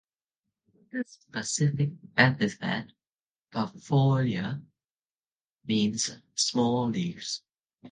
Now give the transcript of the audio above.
The specific epithet ("parvifolia") means "small leaves".